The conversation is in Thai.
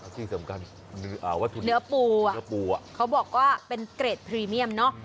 แล้วที่สำคัญเนื้อปูอะเขาบอกว่าเป็นเกรดพรีเมียมเนอะ